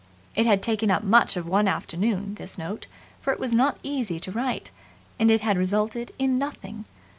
It had taken up much of one afternoon, this note, for it was not easy to write; and it had resulted in nothing.